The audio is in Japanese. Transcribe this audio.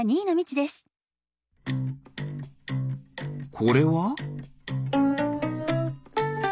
これは？